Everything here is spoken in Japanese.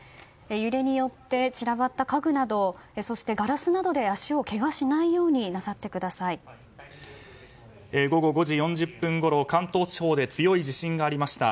揺れによって散らばった家具などそしてガラスなどで足をけがしないように午後５時４０分ごろ関東地方で強い地震がありました。